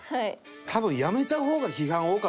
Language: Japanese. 多分やめた方が批判多かったんだろうね。